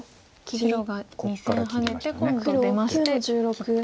白が２線ハネて今度出まして切って。